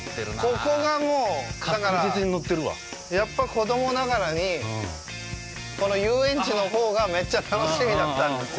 ここがもう、だから、子供ながらにこの遊園地のほうがめっちゃ楽しみだったんですよ。